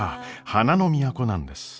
花の都なんです。